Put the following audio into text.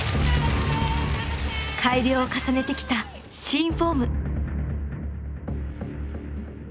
改良を重ねてきた新フォーム！